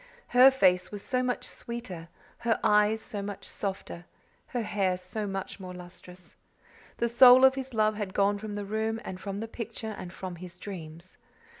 Her face was so much sweeter, her eyes so much softer, her hair so much more lustrous. The soul of his love had gone from the room and from the picture and from his dreams.